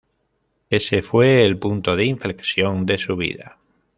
Ese fue el punto de inflexión de su vida.